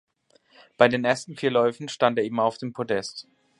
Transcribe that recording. Bei den ersten vier Läufen stand er immer auf dem Podest.